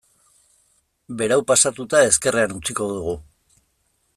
Berau pasatuta ezkerrean utziko dugu.